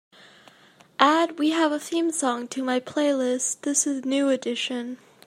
Add we have a theme song to my playlist This Is New Edition